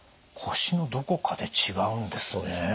腰のどこかで違うんですね。